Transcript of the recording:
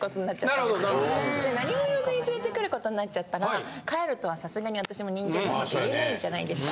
何も言わずに連れてくることになっちゃったから帰るとはさすがに私も言えないじゃないですか。